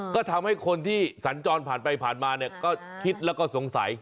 ก็ทำให้คนที่สัญจรผ่านไปผ่านมาเนี่ยก็คิดแล้วก็สงสัย